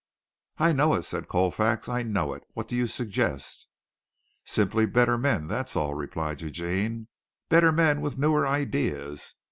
"I know it!" said Colfax. "I know it! What do you suggest?" "Simply better men, that's all," replied Eugene. "Better men with newer ideas.